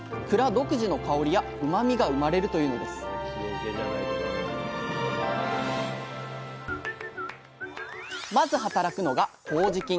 独自の香りやうまみが生まれるというのですまず働くのがこうじ菌。